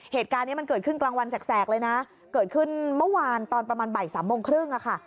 เหตุการณ์นี้มันเกิดขึ้นกลางวันแสกเลยนะเกิดขึ้นเมื่อวานตอนประมาณบ่ายสามโมงครึ่งอะค่ะ